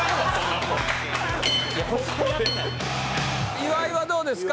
岩井はどうですか？